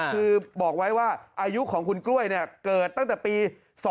คือบอกไว้ว่าอายุของคุณกล้วยเกิดตั้งแต่ปี๒๕๖